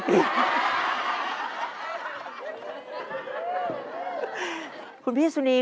ตัวเลือกที่สอง๘คน